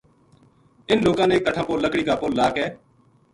اِنھ لوکاں نے کَٹھاں پو لکڑی کا پل لا کے